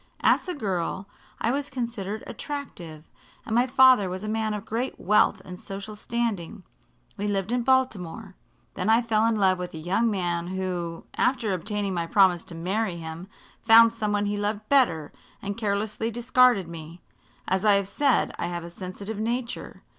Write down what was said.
"As a girl I was considered attractive, and my father was a man of great wealth and social standing. We lived in Baltimore. Then I fell in love with a young man who, after obtaining my promise to marry him, found some one he loved better and carelessly discarded me. As I have said, I have a sensitive nature.